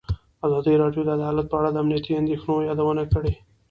ازادي راډیو د عدالت په اړه د امنیتي اندېښنو یادونه کړې.